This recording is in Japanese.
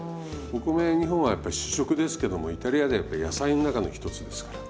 お米日本はやっぱ主食ですけどもイタリアではやっぱり野菜の中の一つですから。